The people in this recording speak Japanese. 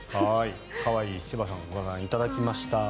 可愛い柴さんをご覧いただきました。